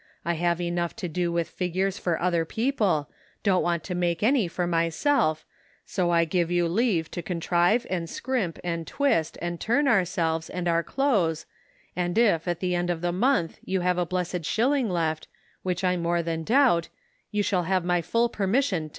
I have enough to do with figures for other people, don't want to make any for myself, so I give you leave to contrive and scrimp and twist and turn ourselves and our ' clothes, and if, at the end of the month, you have a blessed shilling left, which I more than doubt, you shall have my full permission to 16 The Pocket Measure.